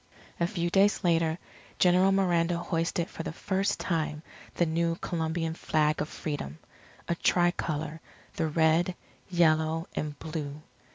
A few days later General Miranda hoisted for the first time the new Colombian flag of Freedom a tri colour, the Red, Yellow, and Blue.